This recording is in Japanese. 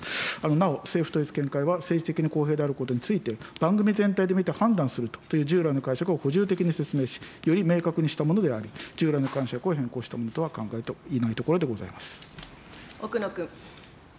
なお、政府統一見解は、政治的に公平であることについて、番組全体で見て判断するという従来の解釈を補充的に説明し、より明確にしたものであり、従来の解釈を変更したものとは考えて奥野君。